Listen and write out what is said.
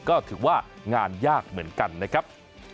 ก็ถือว่างานยากเหมือนกันนะครับ